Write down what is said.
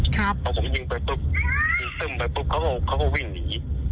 พอผมยิงไปปุ๊บยิงตึ้มไปปุ๊บเขาก็วิ่งหนี